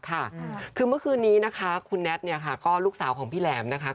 คือเมื่อคืนนี้นะคะคุณแน็ตเนี่ยค่ะก็ลูกสาวของพี่แหลมนะคะ